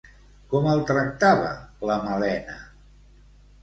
Com el tractava la Malena?